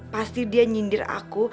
pasti dia nyindir aku